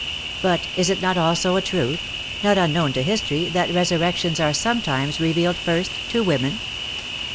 But is it not also a truth, not WAR AND WOMEN 175 unknown to history, that resurrections are sometimes revealed first to women